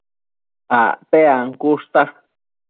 Acte ancushta